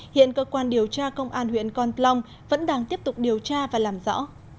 hiện cơ quan điều tra công an huyện con plong vẫn đang tiếp tục điều tra và làm rõ